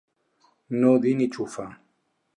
No dir ni xufa.